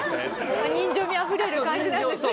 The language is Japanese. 人情味溢れる感じなんですね。